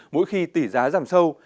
mỗi khi tỷ giá giảm sâu